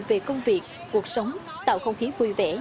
về công việc cuộc sống tạo không khí vui vẻ